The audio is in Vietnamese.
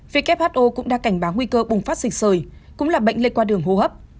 who cũng đã cảnh báo nguy cơ bùng phát dịch sời cũng là bệnh lệ qua đường hô hấp